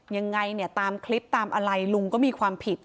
ยังไงเนี่ยตามคลิปตามอะไรลุงก็มีความผิด